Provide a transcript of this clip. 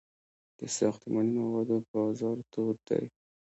د ساختماني موادو بازار تود دی